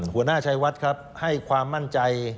หัวหน้าชัยวัดครับให้ความมั่นใจ